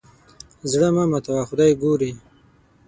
زړه مه ماتوه خدای ګوري.